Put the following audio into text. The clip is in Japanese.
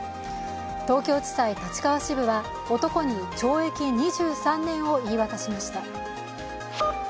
東京地裁立川支部は男に懲役２３年を言い渡しました。